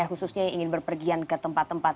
khususnya yang ingin berpergian ke tempat tempat